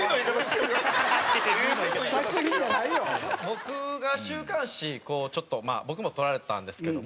僕が週刊誌こうちょっと僕も撮られたんですけども。